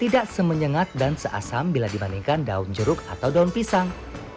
tidak semenyengat dan seasam bila dibandingkan daun jeruk atau daun pisang